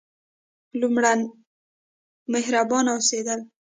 لومړی: مهربانه اوسیدل.